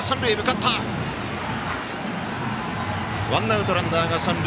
ワンアウト、ランナーが三塁。